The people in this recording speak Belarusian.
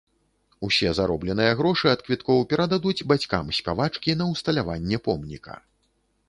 Усе заробленыя грошы ад квіткоў перададуць бацькам спявачкі на ўсталяванне помніка.